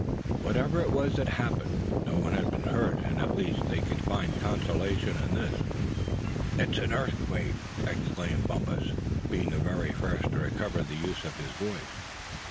Whatever it was that had happened, no one had been hurt; and at least they could find consolation in this. "It's an earthquake!" exclaimed Bumpus, being the very first to recover the use of his voice.